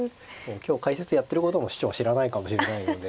今日解説やってることも師匠は知らないかもしれないので。